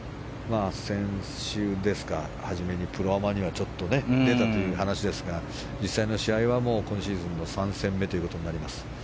先週ですかプロアマには出たという話ですが実際の試合は今シーズンも３戦目ということになります。